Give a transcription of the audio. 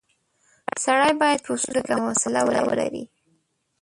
سړی باید په ستونزو کې حوصله ولري.